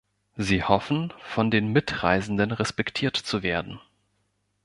Sie hoffen, von den Mitreisenden respektiert zu werden.